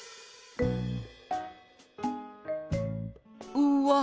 うわ。